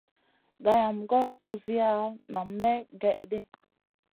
Gayam goy kuziya nam may gèh ɗi.